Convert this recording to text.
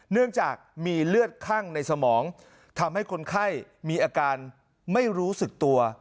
เนื่องจากมีเลือดคั่งในสมองทำให้คนไข้มีอาการไม่รู้สึกตัว